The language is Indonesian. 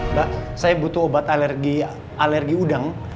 mbak saya butuh obat alergi udang